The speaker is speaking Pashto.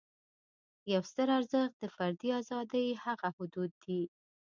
یو ستر ارزښت د فردي آزادۍ هغه حدود دي.